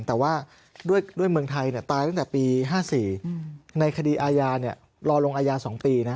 แต่ว่าด้วยเมืองไทยตายตั้งแต่ปี๕๔ในคดีอาญารอลงอาญา๒ปี